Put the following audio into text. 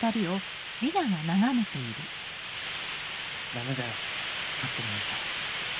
ダメだよ勝手に入ったら。